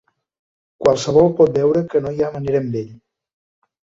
Qualsevol pot veure que no hi ha manera amb ell.